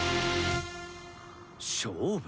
勝負？